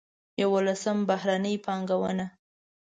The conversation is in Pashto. یولسم: بهرنۍ پانګونه.